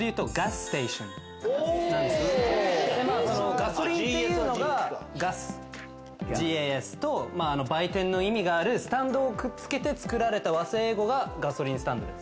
ガソリンっていうのがガス「ｇａｓ」と売店の意味があるスタンドをくっつけて作られた和製英語がガソリンスタンドです。